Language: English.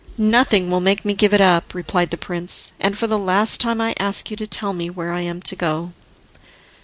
"Nothing will make me give it up," replied the prince, "and for the last time I ask you to tell me where I am to go."